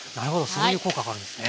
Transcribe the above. そういう効果があるんですね。